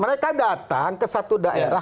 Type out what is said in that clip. mereka datang ke satu daerah